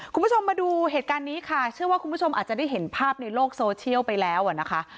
คุณผู้ชมมาดูเหตุการณ์นี้ค่ะเชื่อว่าคุณผู้ชมอาจจะได้เห็นภาพในโลกโซเชียลไปแล้วอ่ะนะคะ